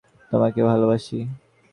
তোমার আম্মুকে বলো, আমি তোমাকে ভালোবাসি।